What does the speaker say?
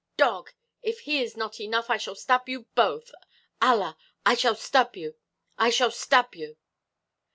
"Dog! if he is not enough, I shall stab you both! Allah! I shall stab you! I shall stab you!"